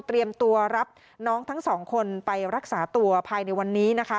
ตัวรับน้องทั้งสองคนไปรักษาตัวภายในวันนี้นะคะ